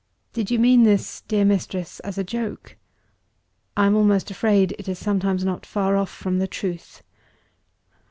Did you mean this, dear mistress, as a joke? I am almost afraid it is sometimes not far off from the truth.